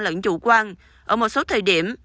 lẫn chủ quan ở một số thời điểm